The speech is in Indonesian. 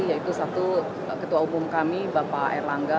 yaitu satu ketua umum kami bapak erlangga